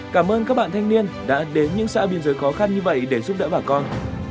cảm ơn các bạn thanh niên đã đến những xã biên giới khó khăn như vậy để giúp đỡ bà con